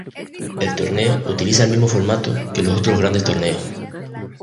El torneo utiliza el mismo formato que los otros grandes torneos.